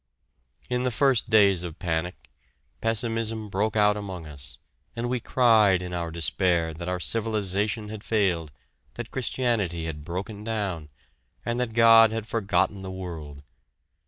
In the first days of panic, pessimism broke out among us, and we cried in our despair that our civilization had failed, that Christianity had broken down, and that God had forgotten the world.